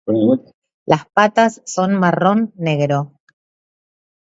Las patas son marrón-negro.